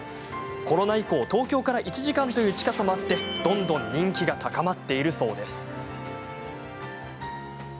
コロナ以降、東京から１時間という近さもあってどんどん人気が高まっているそうです。